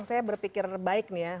saya berpikir baik nih ya